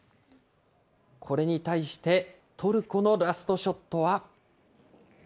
これに対してトルコのラストショットは。